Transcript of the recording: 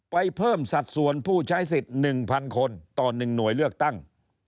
เพิ่มสัดส่วนผู้ใช้สิทธิ์๑๐๐คนต่อ๑หน่วยเลือกตั้ง